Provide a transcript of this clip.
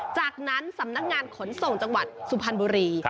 จากนั้นสำนักงานขนส่งจังหวัดสุพรรณบุรี